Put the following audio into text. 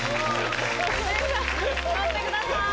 乗ってください。